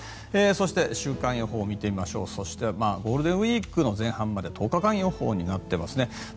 そして週間予報を見てみましょうゴールデンウィークの前半まで１０日間予報になっていますね。